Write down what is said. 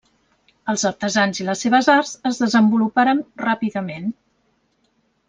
Els artesans i les seves arts es desenvoluparen ràpidament.